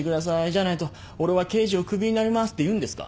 じゃないと俺は刑事を首になりますって言うんですか？